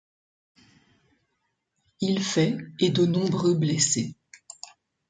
Il fait et de nombreux blessés.